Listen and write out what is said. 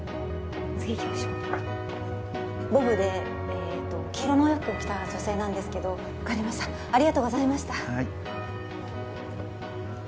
次行きましょうはいボブでえっと黄色のお洋服着た女性なんですけど分かりましたありがとうございました